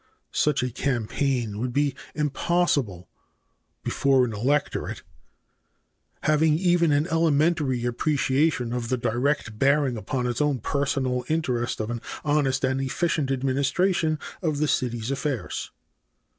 Such a campaign would be impossible before an electorate having even an elementary appreciation of the direct bearing upon its own personal interests of an honest and efficient administration of the city's affairs.